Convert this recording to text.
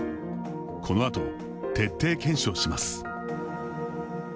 このあと徹底検証します。